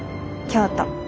京都。